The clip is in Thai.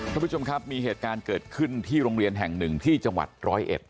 คุณผู้ชมครับมีเหตุการณ์เกิดขึ้นที่โรงเรียนแห่งหนึ่งที่จังหวัดร้อยเอ็ด